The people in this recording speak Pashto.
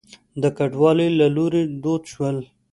د کډوالو له لوري دود شول.